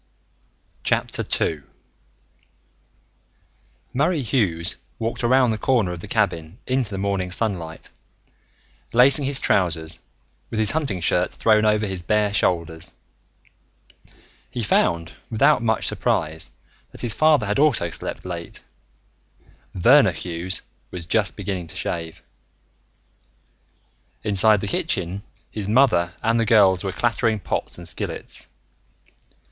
II Murray Hughes walked around the corner of the cabin into the morning sunlight, lacing his trousers, with his hunting shirt thrown over his bare shoulders. He found, without much surprise, that his father had also slept late. Verner Hughes was just beginning to shave. Inside the kitchen, his mother and the girls were clattering pots and skillets.